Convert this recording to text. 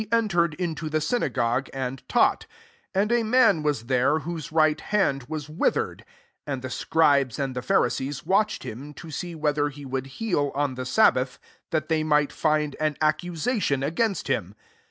entered into the synagogue and taught : and a man was there, whose right hand was withered; 7 and the scribes and the Pharisees watched him, to 9ee wheth^ he would heal on the sabbath ; that they might find an accusation against him.